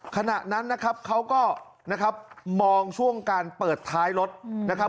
ขณะนั้นนะครับเขาก็นะครับมองช่วงการเปิดท้ายรถนะครับ